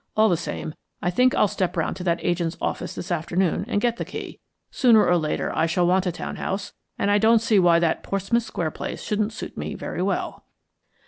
All the same, I think I'll step round to that agent's office this afternoon and get the key. Sooner or later, I shall want a town house, and I don't see why that Portsmouth Square place shouldn't suit me very well."